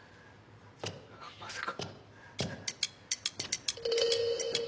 まさか。